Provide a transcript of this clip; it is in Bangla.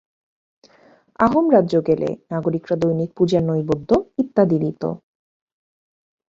আহোম রাজ্য গেলে নাগরিকরা দৈনিক পূজার নৈবেদ্য ইত্যাদি দিত।